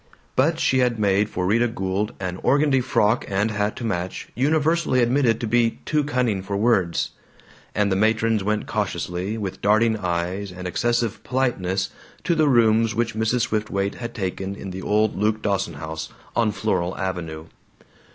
But she had made for Rita Gould an organdy frock and hat to match universally admitted to be "too cunning for words," and the matrons went cautiously, with darting eyes and excessive politeness, to the rooms which Mrs. Swiftwaite had taken in the old Luke Dawson house, on Floral Avenue.